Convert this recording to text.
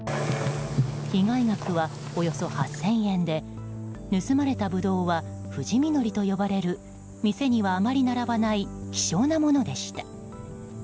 被害額はおよそ８０００円で盗まれたブドウは藤稔と呼ばれる店にはあまり並ばない希少なものでした。